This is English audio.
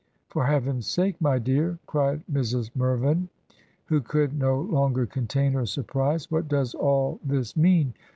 ,.. 'For Heaven's sake, my dear/ cried Mrs, Mirvein, who could no longer contain hef Burprise, 'what does all this mean?